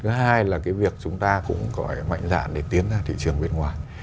thứ hai là cái việc chúng ta cũng có cái mạnh dạn để tiến ra thị trường bên ngoài